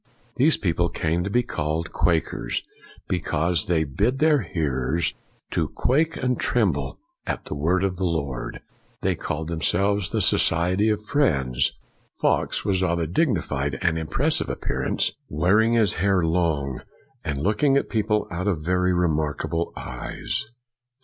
These people came to be called Quakers because they bid their hearers to quake and tremble at the word FOX 291 of the Lord. But they called themselves the Society of Friends. Fox was of a dignified and impressive appearance, wear ing his hair long, and looking at people out of very remarkable eyes.